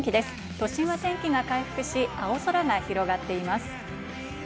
都心は天気が回復し、青空が広がっています。